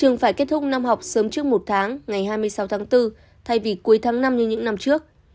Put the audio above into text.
trường phải kết thúc năm học sớm trước một tháng ngày hai mươi sáu tháng bốn thay vì cuối tháng năm như những năm trước